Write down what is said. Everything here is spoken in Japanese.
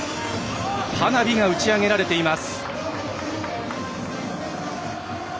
花火が打ち上げられています。